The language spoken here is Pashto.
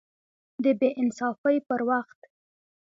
د بې انصافۍ پر وخت